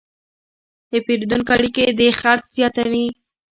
د پیرودونکو اړیکې د خرڅ زیاتوي.